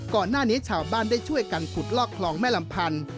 ก่อนหน้านี้ชาวบ้านได้ช่วยกันขุดลอกคลองแม่ลำพันธ์